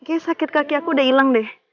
kayaknya sakit kaki aku udah hilang deh